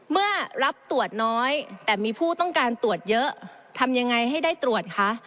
เมื่อรับตรวจน้อยแต่มีผู้ต้องการตรวจเยอะทำยังไงให้ได้ตรวจคะ